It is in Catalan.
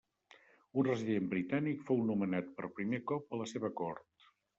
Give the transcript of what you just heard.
Un resident britànic fou nomenat per primer cop a la seva cort.